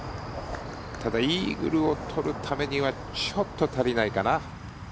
ただイーグルを取るためにはちょっと足りないかな。